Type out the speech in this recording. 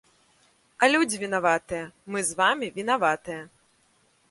А людзі вінаватыя, мы з вамі вінаватыя.